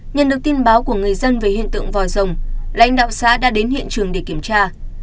nhận được tin báo của người dân về hiện tượng vòi rồng lãnh đạo xã đã đến hiện trường để kiểm tra